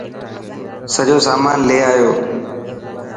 سڄو سامان لي آيو.